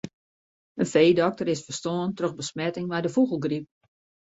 In feedokter is ferstoarn troch besmetting mei de fûgelgryp.